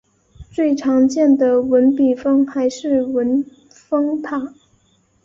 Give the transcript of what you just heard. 最常见的文笔峰还是文峰塔。